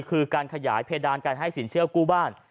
คือการขยายเพดานการให้สินเชื่อกู้บ้าน